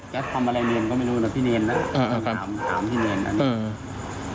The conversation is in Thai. แกคว้าไปทำอะไรเรียนก็ต้องดูเอาพี่เนทนะก็ถามพี่เนทอยู่